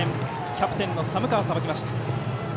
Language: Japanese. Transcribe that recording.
キャプテンの寒川、さばきました。